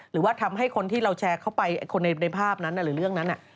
หรือว่าทำให้คนที่เราแชร์เข้าไปคนในภาพนั้นหรือเรื่องนั้น